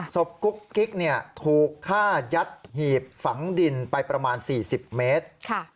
กุ๊กกิ๊กถูกฆ่ายัดหีบฝังดินไปประมาณ๔๐เมตร